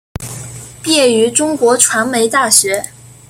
毕业于中国传媒大学。